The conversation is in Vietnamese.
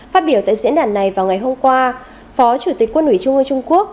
phát biểu tại diễn đàn này vào ngày hôm qua phó chủ tịch quân ủy trung quốc